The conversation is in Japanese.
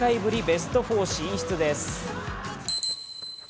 ベスト４進出です。